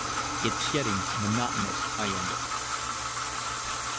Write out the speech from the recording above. "It's getting monotonous," I ended.